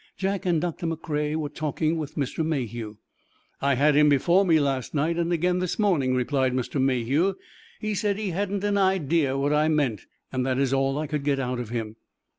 Jack and Doctor McCrea were talking with Mr. Mayhew. "I had him before me last night, and again this morning," replied Mr. Mayhew. "He said he hadn't an idea what I meant, and that is all I could get out of him."